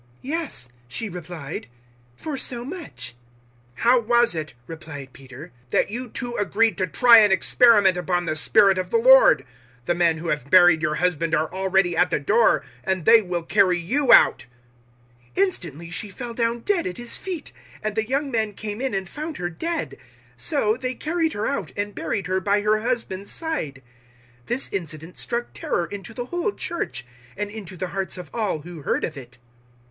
"Yes," she replied, "for so much." 005:009 "How was it," replied Peter, "that you two agreed to try an experiment upon the Spirit of the Lord? The men who have buried your husband are already at the door, and they will carry you out." 005:010 Instantly she fell down dead at his feet, and the young men came in and found her dead. So they carried her out and buried her by her husband's side. 005:011 This incident struck terror into the whole Church, and into the hearts of all who heard of it.